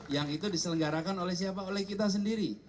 yang itu diselenggarakan oleh siapa oleh kita sendiri